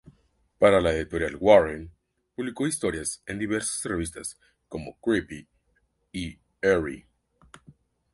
Para la editorial Warren publicó historias en diversas revistas como "Creepy" y "Eerie".